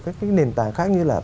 cầu thủ ở các nền tảng khác như là